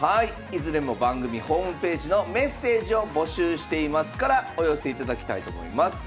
いずれも番組ホームページの「メッセージを募集しています」からお寄せいただきたいと思います。